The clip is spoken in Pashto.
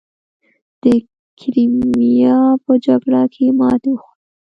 د کریمیا په جګړه کې ماتې وخوړه.